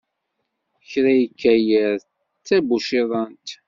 Kra yekka yiḍ, d tabuciḍant.